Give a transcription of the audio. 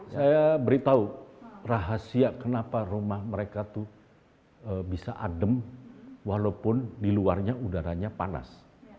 saya beritahu rahasia kenapa rumah mereka itu bisa adem walaupun di luarnya udaranya panas